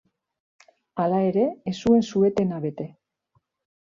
Hala ere, ez zuen su-etena bete.